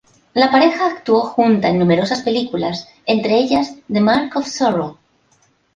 La pareja actuó junta en numerosas películas, entre ellas "The Mark of Zorro".